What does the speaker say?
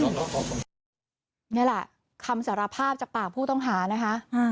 นี่แหละคำสารภาพจากปากผู้ต้องหานะคะ